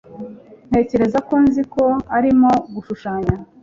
Ntekereza ko nzi ko arimo gushushanya